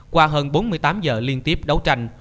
qua hơn bốn mươi tám giờ liên tiếp đấu tranh